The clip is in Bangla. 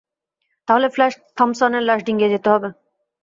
তাহলে ফ্ল্যাশ থম্পসনের লাশ ডিঙিয়ে যেতে হবে।